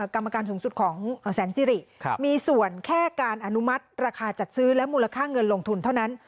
กรรมการสูงสุดของแสนสิริมีส่วนแค่การอนุมัติราคาจัดซื้อและมูลค่าเงินลงทุนเท่านั้น